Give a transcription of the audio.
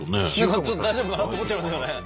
大丈夫かなと思っちゃいますよね。